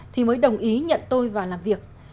thì mới đồng ý nhận tôi vào làm việc